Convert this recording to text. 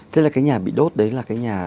thế là cái nhà bị đốt đấy là cái nhà